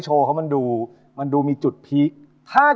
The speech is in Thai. จากใจแฟน